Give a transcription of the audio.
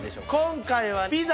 今回はピザ！